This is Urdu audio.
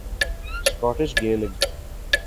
Scottish Gaelic